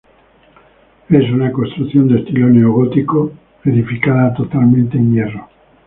Es una construcción de estilo neogótico, edificada totalmente en hierro.